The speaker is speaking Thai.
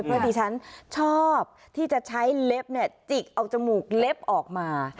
เพราะดิฉันชอบที่จะใช้เล็บจิกเอาจมูกเล็บออกมา